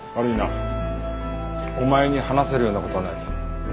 お前に話せるような事はない。